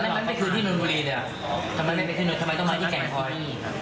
ถ้ามันไม่คือที่นุลบุรีทำไมต้องมาที่แก่คลอย